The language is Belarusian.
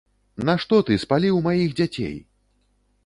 Нашто ты спаліў маіх дзяцей!